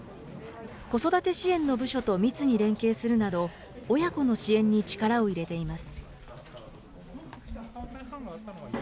子育て支援の部署と密に連携するなど、親子の支援に力を入れています。